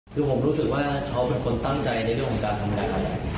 คือผมรู้สึกว่าเขาเป็นคนตั้งใจในเรื่องของการทำงาน